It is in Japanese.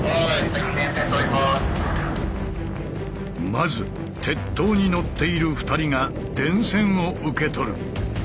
まず鉄塔に乗っている２人が電線を受け取る。